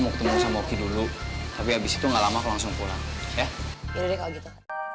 mau ke teman sama dulu tapi habis itu enggak lama aku langsung pulang ya iya kalau gitu